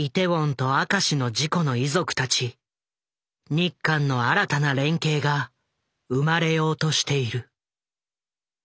日韓の新たな連携が生まれようとしている。